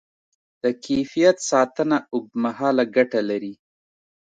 د کیفیت ساتنه اوږدمهاله ګټه لري.